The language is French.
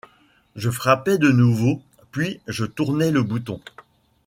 Je frappai de nouveau, puis je tournai le bouton.